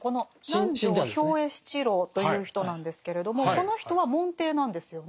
南条兵衛七郎という人なんですけれどもこの人は門弟なんですよね。